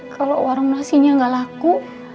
kalau warung nasinya nggak laku